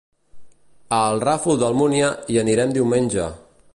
A el Ràfol d'Almúnia hi anem diumenge.